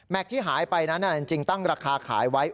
แม็กซ์ที่หายไปจริงตั้งราคาขายไว้